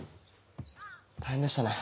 大変でしたね。